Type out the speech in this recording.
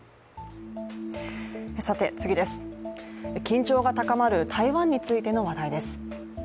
緊張が高まる台湾についての話題です。